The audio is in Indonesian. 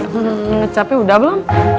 kecapnya udah belum